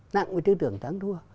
nặng với tư tưởng thắng thua